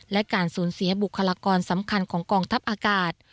และการสูญเสียบุคลากรสำคัญของกองทัพอากาศ